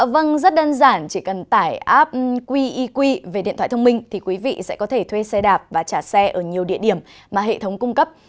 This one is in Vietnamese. vâng rất đơn giản chỉ cần tải app qeq về điện thoại thông minh thì quý vị sẽ có thể thuê xe đạp và trả xe ở nhiều địa điểm mà hệ thống cung cấp